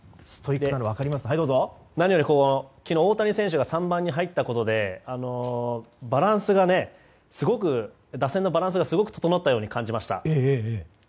何より昨日、大谷選手が３番に入ったことで打線のバランスがすごく整ったように感じました。